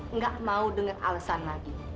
enggak mau dengar alesan lagi